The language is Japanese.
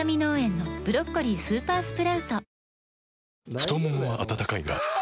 太ももは温かいがあ！